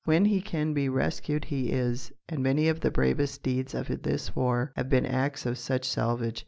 When he can be rescued he is, and many of the bravest deeds of this war have been acts of such salvage.